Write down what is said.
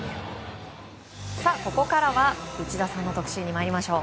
ここからは内田さんの特集に参りましょう。